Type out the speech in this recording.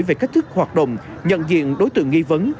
về cách thức hoạt động nhận diện đối tượng nghi vấn